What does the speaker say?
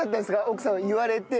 奥さんは言われて。